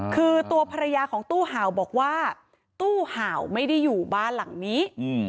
คือตัวภรรยาของตู้เห่าบอกว่าตู้เห่าไม่ได้อยู่บ้านหลังนี้